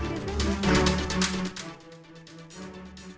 berita terkini dari sda lin zehn